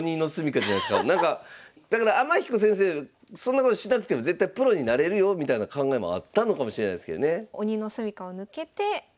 だから天彦先生そんなことしなくても絶対プロになれるよみたいな考えもあったのかもしれないですけどね。